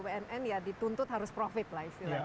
kalau bwnn ya dituntut harus profit lah istilahnya